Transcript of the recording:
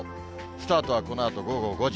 スタートはこのあと午後５時。